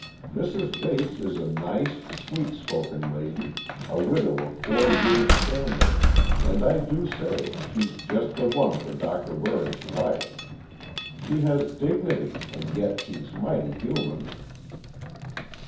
Mrs. Bates is a nice sweet spoken lady, a widow of four years standing, and I do say she's just the one for Doctor Waring's wife. She has dignity, and yet she's mighty human."